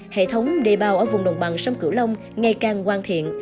hệ thống đề bao ở vùng đồng bằng sông cửu long ngày càng hoàn thiện